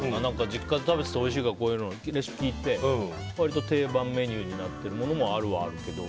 実家で食べてておいしいからレシピを聞いて割と定番メニューになってるものもあるは、あるけど。